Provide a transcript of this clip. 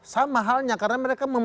sama halnya karena mereka